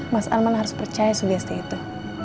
mas arman harus percaya segesti itu